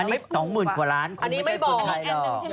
อันนี้๒๐๐๐๐บาทคงไม่ใช่คนไทยหรอ